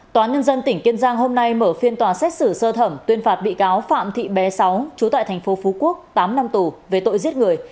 tòa nhân dân tỉnh kiên giang hôm nay mở phiên tòa xét xử sơ thẩm tuyên phạt bị cáo phạm thị bé sáu trú tại thành phố phú quốc tám năm tù về tội giết người